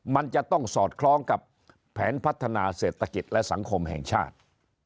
มันจะต้องสอดคล้องกับแผนพัฒนาเศรษฐกิจและสังคมแห่งชาติ